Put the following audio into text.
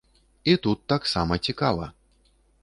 І тут таксама цікава.